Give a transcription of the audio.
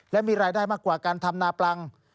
และมีรายได้มากกว่าการทำนาปลัง